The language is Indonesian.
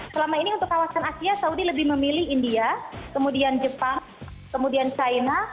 selama ini untuk kawasan asia saudi lebih memilih india kemudian jepang kemudian china